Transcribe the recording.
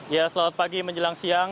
ya selamat pagi menjelang siang